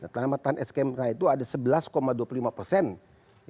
tamatan smk itu ada sebelas dua puluh lima persen